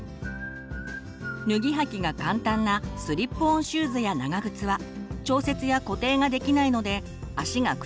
脱ぎ履きが簡単なスリップオンシューズや長靴は調節や固定ができないので足が靴の中で動いてしまいます。